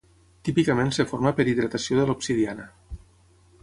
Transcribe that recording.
Típicament es forma per hidratació de l'obsidiana.